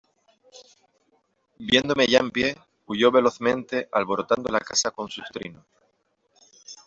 viéndome ya en pie , huyó velozmente alborotando la casa con sus trinos .